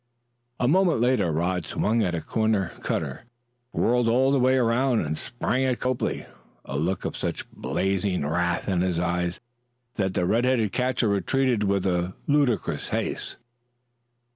A moment later Rod swung at a corner cutter, whirled all the way round, and sprang at Copley, a look of such blazing wrath in his eyes that the red headed catcher retreated with ludicrous haste.